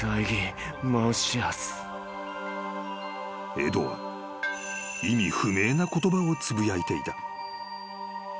［エドは意味不明な言葉をつぶやいていた］